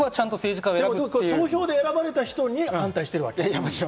投票で選ばれた人に反対してるわけ。